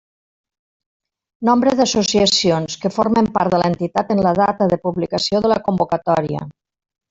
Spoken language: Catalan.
Nombre d'associacions que formen part de l'entitat en la data de publicació de la convocatòria.